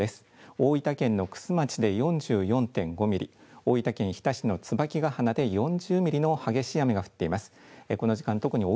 大分県の玖珠町で４４．５ミリ、大分県日田市のつばきがはまで４０ミリの激しい雨が降っています。